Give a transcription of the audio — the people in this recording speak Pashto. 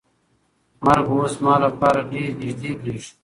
مرګ اوس زما لپاره ډېر نږدې برېښي.